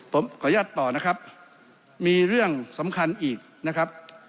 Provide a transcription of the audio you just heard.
ผมขออนุญาตต่อนะครับมีเรื่องสำคัญอีกนะครับ